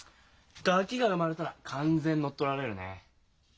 ガキが産まれたら完全乗っ取られるね。